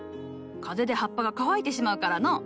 風で葉っぱが乾いてしまうからのう。